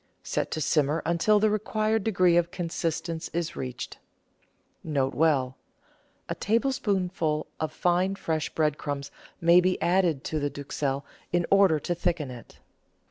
Set to simmer until the required degree of consistence is reached. ]Sj_B. — A tablespoonful of fine, fresh bread crumbs may be added to the duxelle in order to thicken it.